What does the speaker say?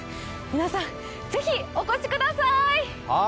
皆さん、是非お越しください。